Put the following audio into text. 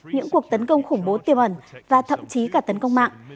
những cuộc tấn công khủng bố tiềm ẩn và thậm chí cả tấn công mạng